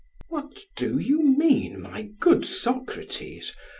PHAEDRUS: What do you mean, my good Socrates?